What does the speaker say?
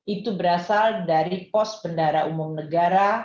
itu berasal dari pos bendara umum negara